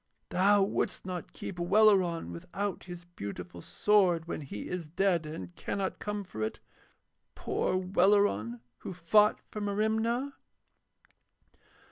Thou wouldst not keep Welleran without his beautiful sword when he is dead and cannot come for it, poor Welleran who fought for Merimna.'